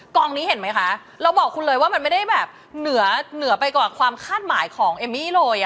กองนี้เห็นไหมคะเราบอกคุณเลยว่ามันไม่ได้แบบเหนือเหนือไปกว่าความคาดหมายของเอมมี่เลย